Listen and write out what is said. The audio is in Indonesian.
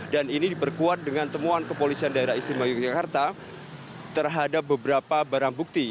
dan ini diperkuat dengan temuan kepolisian daerah istimewa yogyakarta terhadap beberapa barang bukti